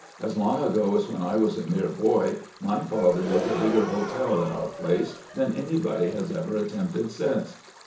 As long ago as when I was a mere boy, my father built a bigger hotel in our place than anybody has ever attempted since.'